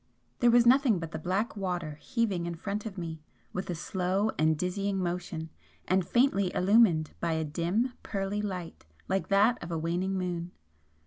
There was nothing but the black water heaving in front of me with a slow and dizzying motion and faintly illumined by a dim, pearly light like that of a waning moon.